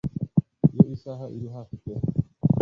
Iyo isaha iri hafi pe